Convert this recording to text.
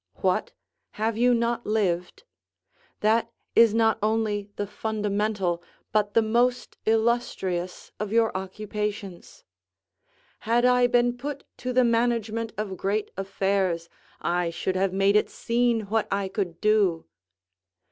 What? have you not lived? that is not only the fundamental, but the most illustrious, of your occupations. "Had I been put to the management of great affairs, I should have made it seen what I could do."